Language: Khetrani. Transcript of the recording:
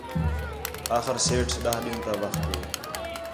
آخر سیٹھ ݙاہ ݙِین٘ہوں تا وخت ہِے